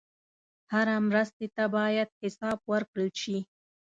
هره مرستې ته باید حساب ورکړل شي.